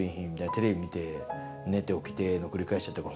テレビ見て寝て起きての繰り返しやったから。